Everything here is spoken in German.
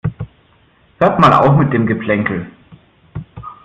Hört mal auf mit dem Geplänkel.